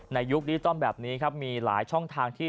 ในยุครี่ต้องแบบนี้มีหลายช่องทางที่